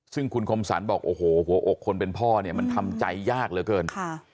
ซึ่งคุณคมสรรบอกโอ้โหหัวอกคนเป็นพ่อเนี่ยมันทำใจยากเหลือเกิน